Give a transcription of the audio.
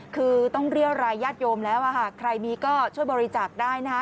คือต้องเรียวรายญาติโยมแล้วใครมีก็ช่วยบริจาคได้นะฮะ